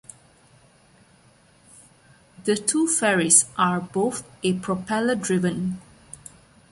The two ferries are both a propeller driven.